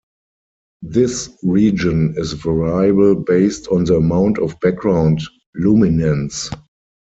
This region is variable based on the amount of background luminance.